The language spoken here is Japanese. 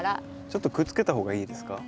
ちょっとくっつけた方がいいですか？